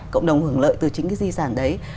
cộng đồng hưởng lợi từ chính cái di sản đấy